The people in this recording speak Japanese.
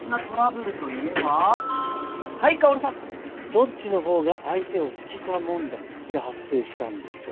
どっちの方が相手を好きか問題が発生したんでしょ？